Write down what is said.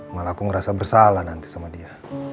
malah aku ngerasa bersalah nanti sama dia